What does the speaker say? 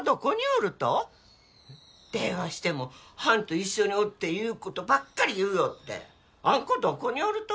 えっ？電話してもはんと一緒におるっていうことばっかり言うよってあん子どこにおると？